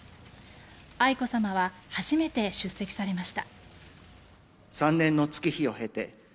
愛子さまは初めて出席されました。